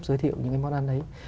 giới thiệu những cái món ăn đấy